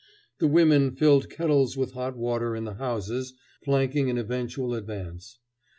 The women filled kettles with hot water in the houses flanking an eventual advance.